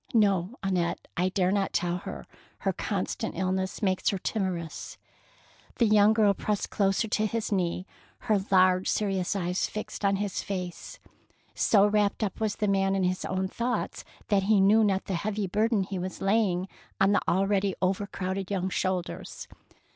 " No, Annette, I dare not tell her ; her constant illness makes her timorous." The young girl pressed closer to his knee, her large, serious eyes flxed on his face. So wrapped was the man in his own thoughts that he knew not the heavy burden he was laying on the al ready overcrowded young shoulders.